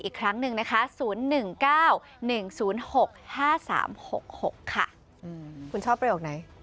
คุณชอบประโยคไหน